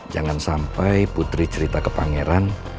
jangan sampai putri cerita ke pangeran